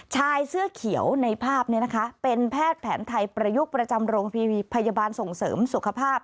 ชายเสื้อเขียวในภาพนี้นะคะเป็นแพทย์แผนไทยประยุกต์ประจำโรงพยาบาลส่งเสริมสุขภาพ